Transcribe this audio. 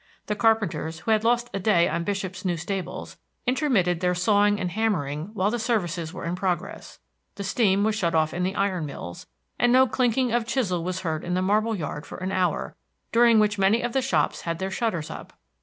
The carpenters, who had lost a day on Bishop's new stables, intermitted their sawing and hammering while the services were in progress; the steam was shut off in the iron mills, and no clinking of the chisel was heard in the marble yard for an hour, during which many of the shops had their shutters up.